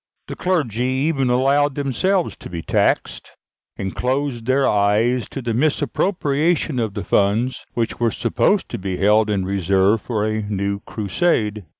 The clergy even allowed themselves to be taxed, and closed their eyes to the misappropriation of the funds, which were supposed to be held in reserve for a new crusade.